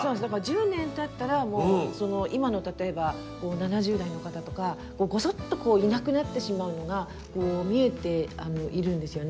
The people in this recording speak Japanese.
だから１０年たったらもう今の例えば７０代の方とかゴソッとこういなくなってしまうのが見えているんですよね。